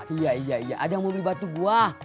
iya iya iya ada yang mau beli batu gua